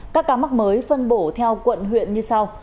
các ca mắc mới phân bổ theo quận huyện như sau